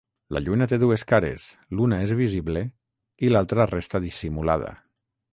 La Lluna té dues cares: l'una és visible i l'altra resta dissimulada.